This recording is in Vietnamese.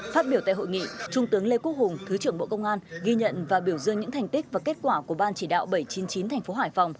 phát biểu tại hội nghị trung tướng lê quốc hùng thứ trưởng bộ công an ghi nhận và biểu dương những thành tích và kết quả của ban chỉ đạo bảy trăm chín mươi chín tp hải phòng